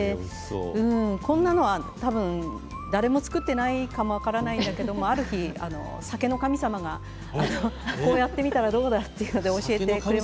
こんなのは多分誰も作っていないかも分からないんだけれどもある日、お酒の神様がこうやってみたらどうだと教えてくれて。